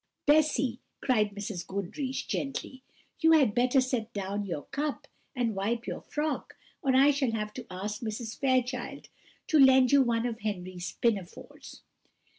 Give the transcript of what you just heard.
"Bessy," said Mrs. Goodriche gently, "you had better set down your cup and wipe your frock, or I shall have to ask Mrs. Fairchild to lend you one of Henry's pinafores."